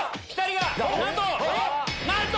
なんと‼